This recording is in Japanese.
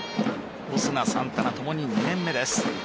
オスナ、サンタナ共に２年目です。